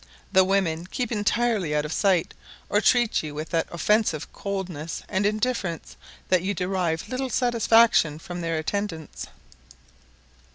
The women keep entirely out of sight, or treat you with that offensive coldness and indifference that you derive little satisfaction from their attendance.